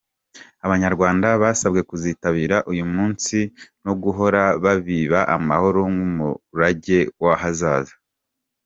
Abanyarwanda basabwe kuzitabira uyu munsi no guhora babiba amahoro nk’umurage w’ahazaza.